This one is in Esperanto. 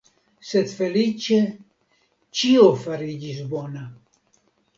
Sed feliĉe, ĉio fariĝis bona.